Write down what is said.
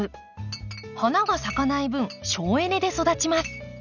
花が咲かない分省エネで育ちます。